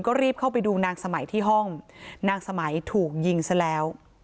ก็รีบเข้าไปดูนางสมัยที่ห้องนางสมัยถูกยิงซะแล้ว